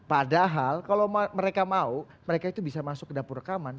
padahal kalau mereka mau mereka itu bisa masuk ke dapur rekaman